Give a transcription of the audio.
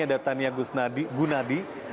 ada tania gusnadi gunadi